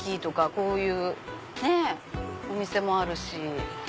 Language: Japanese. こういうねっお店もあるし。